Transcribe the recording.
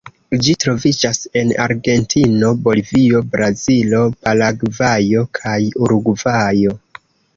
Ĝi troviĝas en Argentino, Bolivio, Brazilo, Paragvajo kaj Urugvajo.